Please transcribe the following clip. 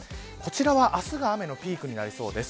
明日が雨のピークになりそうです。